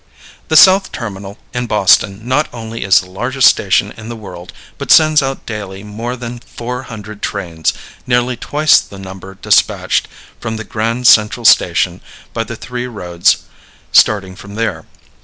The South Terminal in Boston not only is the largest station in the world, but sends out daily more than 400 trains, nearly twice the number despatched from the Grand Central Station by the three roads starting from there.